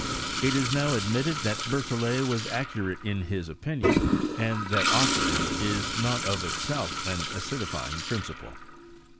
It is now admitted that Berthollet was accurate in his opinion, and that oxygen is not of itself an acidifying principle.